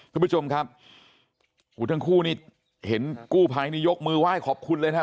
คุณผู้ชมครับหูทั้งคู่นี่เห็นกู้ภัยนี่ยกมือไหว้ขอบคุณเลยนะฮะ